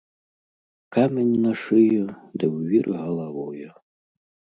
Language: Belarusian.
Камень на шыю ды ў вір галавою!